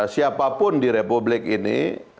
siapapun di republik ini